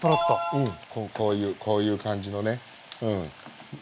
うんこういう感じのねうん。